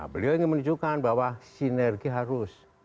beliau ingin menunjukkan bahwa sinergi harus